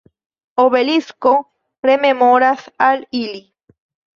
Obelisko rememoras al ili.